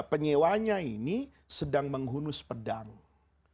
penyewanya ini sedang menghunus pedang